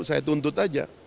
saya tuntut aja